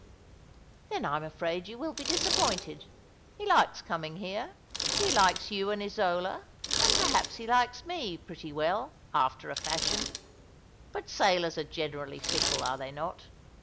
"Then I'm afraid you will be disappointed. He likes coming here — he likes you and Isola, and perhaps he likes mo, pretty well, after a fashion ; but sailors are generally fickle, are they not?